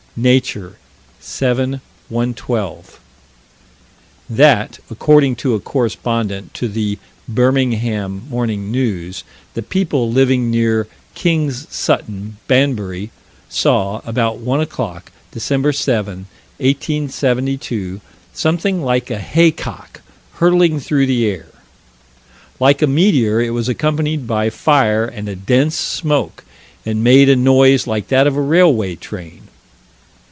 Nature, 7 112: That, according to a correspondent to the Birmingham Morning News, the people living near King's Sutton, Banbury, saw, about one o'clock, Dec. 7, 1872, something like a haycock hurtling through the air. Like a meteor it was accompanied by fire and a dense smoke and made a noise like that of a railway train.